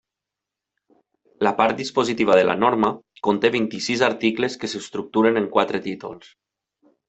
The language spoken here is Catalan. La part dispositiva de la norma conté vint-i-sis articles que s'estructuren en quatre títols.